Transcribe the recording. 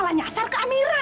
malah nyasar ke amirah